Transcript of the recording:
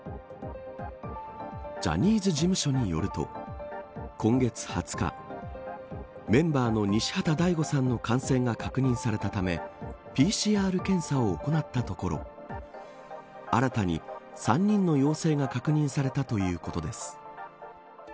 ジャニーズ事務所によると今月２０日、メンバーの西畑大吾さんの感染が確認されたためＰＣＲ検査を行ったところ新たに３人の陽性が確認されたということです。